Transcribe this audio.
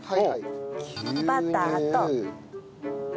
バターと。